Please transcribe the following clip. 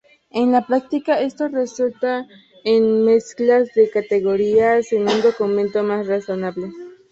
En la práctica, esto resulta en mezclas de categorías en un documento más razonables.